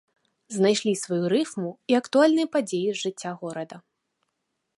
Знайшлі сваю рыфму і актуальныя падзеі з жыцця горада.